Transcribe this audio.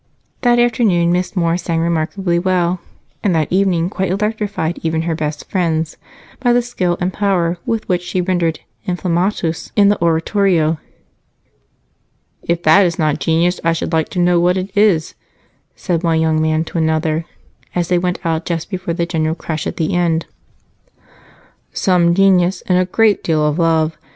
That afternoon Miss Moore sang remarkably well, and that evening quite electrified even her best friends by the skill and power with which she rendered "Inflammatus" in the oratorio. "If that is not genius, I should like to know what it is?" said one young man to another as they went out just before the general crush at the end. "Some genius and a great deal of love.